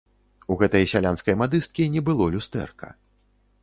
У гэтай сялянскай мадысткі не было люстэрка.